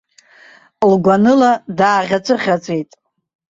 Лгәаныла дааӷьаҵәыӷьаҵәит.